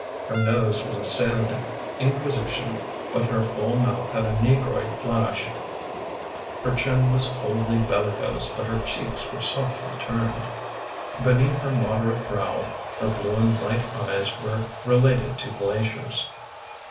Her nose was a salient inquisition but her full mouth had a negroid flash; her chin was coldly bellicose but her cheeks were softly turned. Beneath her moderate brow her blue and white eyes were related to glaciers.